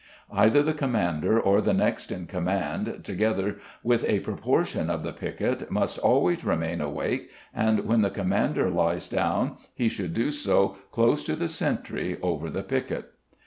Either the commander, or the next in command, together with a proportion of the piquet, must always remain awake, and when the commander lies down he should do so close to the sentry over the piquet.